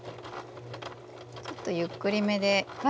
ちょっとゆっくりめでいきますね。